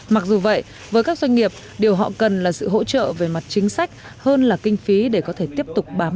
mặc dù vậy với các doanh nghiệp điều họ cần là sự hỗ trợ về mặt chính sách hơn là kinh phí để có thể tiếp tục bám